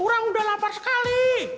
uang udah lapar sekali